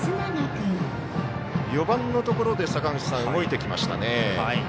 ４番のところで坂口さん、動いてきましたね。